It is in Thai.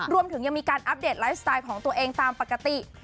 รวมถึงยังมีการอัปเดตไลฟ์สไตล์ของตัวเองตามปกติ